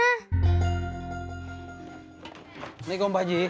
assalamualaikum pak ji